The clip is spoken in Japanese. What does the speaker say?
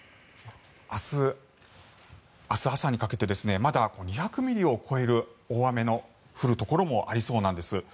明日朝にかけてまだ２００ミリを超える大雨の降るところもありそうなんです。